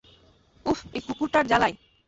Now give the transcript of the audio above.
উফ, এই কুকুরটার জ্বালায়!